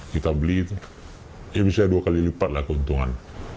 kita beli bisa dua kali lipat lah keuntungan